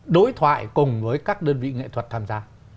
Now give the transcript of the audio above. đối thoại cùng với các đơn vị nghệ thuật tham gia